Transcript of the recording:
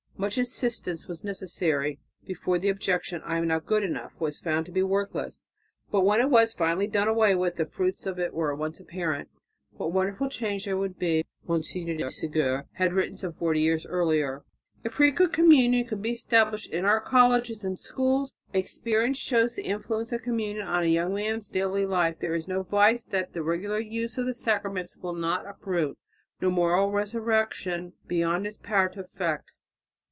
Much insistence was necessary before the objection "I am not good enough" was found to be worthless, but when it was finally done away with the fruits were at once apparent. "What a wonderful change there would be," Monsignor de Ségur had written some forty years earlier, "if frequent communion could be established in our colleges and schools! Experience shows the influence of communion on a young man's daily life. There is no vice that the regular use of the sacraments will not uproot, no moral resurrection beyond its power to effect."